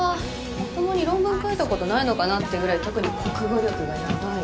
まともに論文書いたことないのかなっていうぐらい特に国語力がヤバい。